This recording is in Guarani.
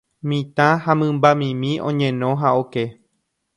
mitã ha mymbamimi oñeno ha oke